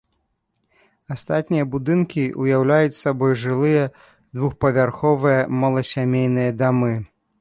Астатнія будынкі ўяўляюць сабой жылыя двухпавярховыя маласямейныя дамы.